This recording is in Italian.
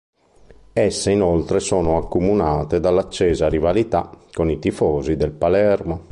Esse inoltre sono accomunate dall'accesa rivalità con i tifosi del Palermo.